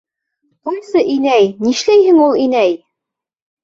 Ҡуйсы, инәй, нишләйһең ул, инәй?!